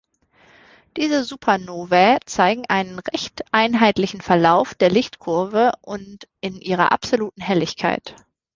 Diese Supernovae zeigen einen recht einheitlichen Verlauf der Lichtkurve und in ihrer absoluten Helligkeit.